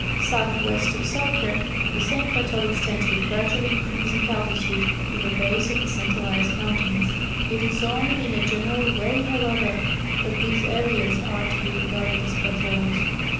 Southwest of Selkirk the same plateau extends with gradually increasing altitude to the base of the St Elias mountains. It is only in a general way, however, that these areas are to be regarded as plateaus.